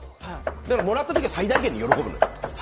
だから、もらった時は最大限に喜ぶのよ。